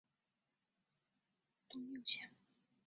东六乡是东京都大田区的町名。